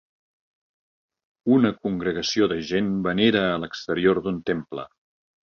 Una congregació de gent venera a l'exterior d'un temple.